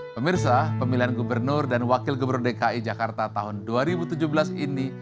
pemirsa pemilihan gubernur dan wakil gubernur dki jakarta tahun dua ribu tujuh belas ini